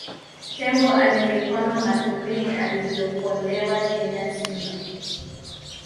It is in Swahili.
Tembo aliyekwama matopeni alivyookolewa Kenya Simba